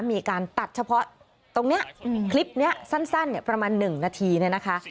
มีการตัดเฉพาะตรงนี้คลิปนี้สั้นประมาณ๑นาทีนะคะ